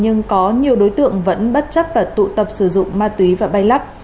nhưng có nhiều đối tượng vẫn bất chấp và tụ tập sử dụng ma túy và bay lắc